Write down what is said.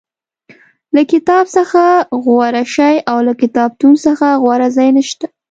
له کتاب څخه غوره شی او له کتابتون څخه غوره ځای نشته.